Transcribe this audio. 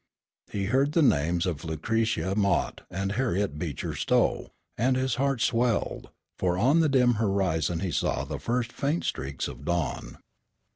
He heard the names of Lucretia Mott and Harriet Beecher Stowe, and his heart swelled, for on the dim horizon he saw the first faint streaks of dawn.